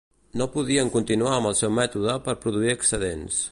No podien continuar amb el seu mètode per produir excedents.